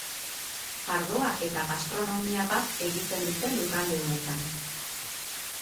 Ardoa eta gastronomia bat egiten dute lurralde honetan.